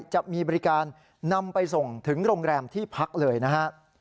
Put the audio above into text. จะมีบริการนำไปส่งถึงโรงแรมที่พักเลยนะฮะ